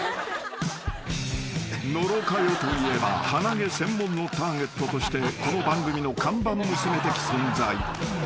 ［野呂佳代といえば鼻毛専門のターゲットとしてこの番組の看板娘的存在］